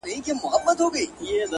هېڅ کار راباندې نۀ لرې بې غمه يم دمه يم